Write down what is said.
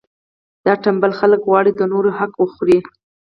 دا ټنبل خلک غواړي د نورو حق وخوري.